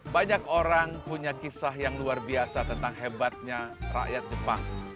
banyak orang punya kisah yang luar biasa tentang hebatnya rakyat jepang